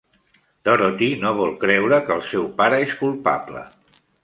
Dorothy no vol creure que el seu pare és culpable.